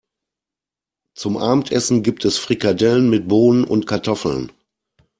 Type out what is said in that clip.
Zum Abendessen gibt es Frikadellen mit Bohnen und Kartoffeln.